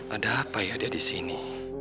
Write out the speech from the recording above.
ada apa ya dia di sini